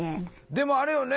でもあれよね